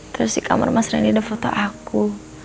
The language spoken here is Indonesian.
terus di kamar mas randy ada foto aku